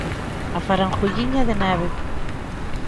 'A farangulliña de neve'.